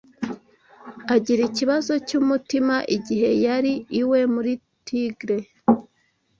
agira ikibazo cy’umutima igihe yari iwe muri Tigre